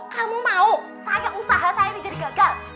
kamu mau usaha saya ini jadi gagal